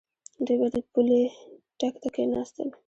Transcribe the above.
دوی به د پولۍ ټک ته کېناستل.